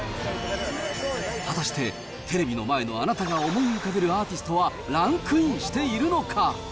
果たして、テレビの前のあなたが思い浮かべるアーティストはランクインしているのか？